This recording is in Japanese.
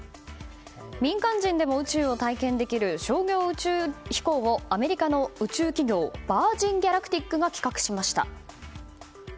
民間人でも宇宙を体験できる商業宇宙飛行をアメリカの宇宙企業ヴァージン・ギャラクティックが企画しました。